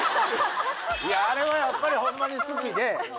あれはやっぱりホンマに好きで。